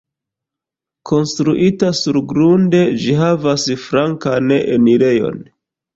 Konstruita surgrunde, ĝi havas flankan enirejon.